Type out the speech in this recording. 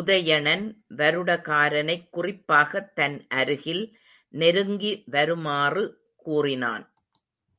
உதயணன் வருடகாரனைக் குறிப்பாகத் தன் அருகில் நெருங்கி வருமாறு கூறினான்.